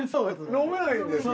飲めないんですか。